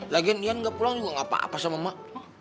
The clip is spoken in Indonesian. lagian iyan gak pulang juga gak apa apa sama emak